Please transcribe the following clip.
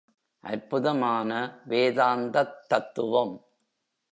அற்புதமான வேதாந்தத் தத்துவம்.